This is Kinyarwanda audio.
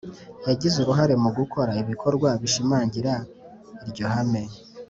yagize uruhare mu gukora ibikorwa bishimangira iryo hame